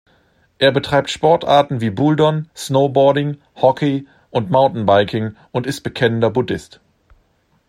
Er betreibt Sportarten wie Bouldern, Snowboarding, Hockey und Mountainbiking und ist bekennender Buddhist.